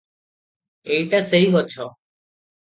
ଏଇଟା ସେଇ ଗଛ ।